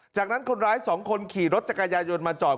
จากนั้นคนร้าย๒คนขี่รถจักรยายนมาจอด